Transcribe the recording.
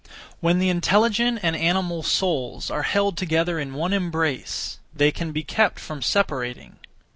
When the intelligent and animal souls are held together in one embrace, they can be kept from separating.